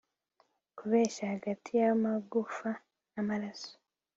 Kubeshya hagati yamagufa namaraso